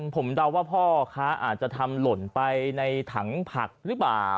ผมเดาว่าพ่อค้าอาจจะทำหล่นไปในถังผักหรือเปล่า